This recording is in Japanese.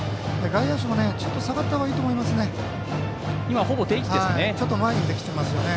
外野手もちょっと下がったほうがいいと思いますね。